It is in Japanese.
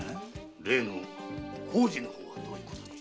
例の工事の方はどういうことに？